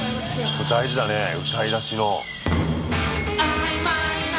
これ大事だね歌い出しの。